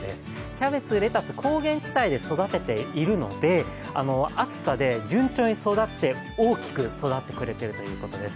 キャベツ、レタス、高原地帯で育てているので、暑さで順調に大きく育ってくれてるということです。